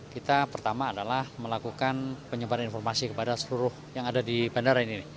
kita pertama adalah melakukan penyebaran informasi kepada seluruh yang ada di bandara ini